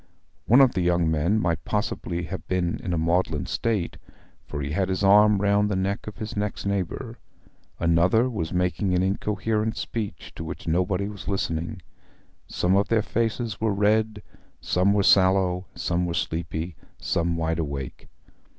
One of the young men might possibly have been in a maudlin state, for he had his arm round the neck of his next neighbour. Another was making an incoherent speech to which nobody was listening. Some of their faces were red, some were sallow; some were sleepy, some wide awake.